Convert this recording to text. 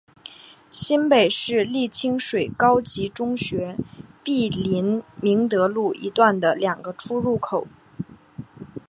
新北市立清水高级中学毗邻明德路一段的两个出入口。